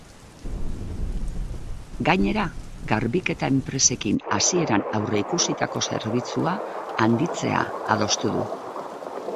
Gainera, garbiketa enpresekin hasieran aurreikusitako zerbitzua handitzea adostu du.